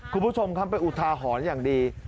คุณผู้ชมทำไปอุทาหอนอย่างดี